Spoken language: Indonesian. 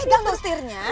apa itu gangguan setirnya